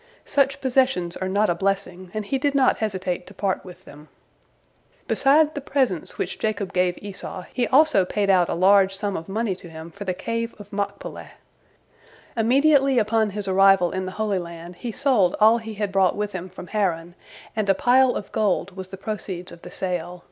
Such possessions are not a blessing, and he did not hesitate to part with them. Beside the presents which Jacob gave Esau, he also paid out a large sum of money to him for the Cave of Machpelah. Immediately upon his arrival in the Holy Land he sold all he had brought with him from Haran, and a pile of gold was the proceeds of the sale.